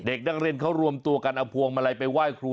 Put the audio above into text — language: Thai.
เด็กนักเรียนเขารวมตัวกันเอาพวงมาลัยไปไหว้ครู